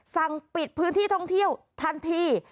สั่งปิดพื้นที่ท่องเที่ยวทันที